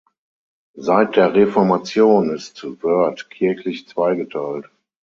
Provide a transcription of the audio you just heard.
Seit der Reformation ist Wört kirchlich zweigeteilt.